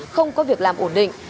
không có việc làm ổn định